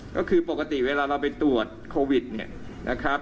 ก็คือปกติเวลาเราไปตรวจโควิดเนี่ยนะครับ